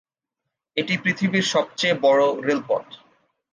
এটি পৃথিবীর সবচেয়ে বড়ো রেলপথ।